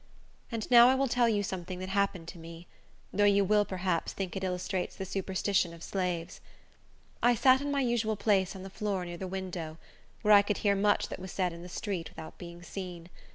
And now I will tell you something that happened to me; though you will, perhaps, think it illustrates the superstition of slaves. I sat in my usual place on the floor near the window, where I could hear much that was said in the street without being seen.